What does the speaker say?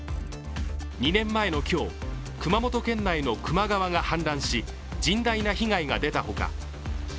２年前の今日、熊本県内の球磨川が氾濫し甚大な被害が出たほか